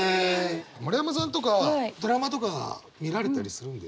村山さんとかドラマとかは見られたりするんですか？